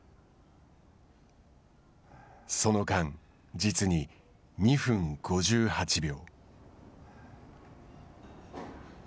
その間、実に２分５８秒。